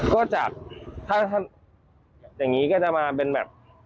อย่างวันต้นทุนมีฝับขึ้นเท่าไรนะครับ